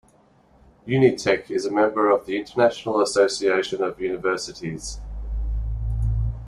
Unitec is a member of the International Association of Universities.